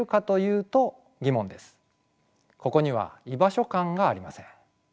ここには居場所感がありません。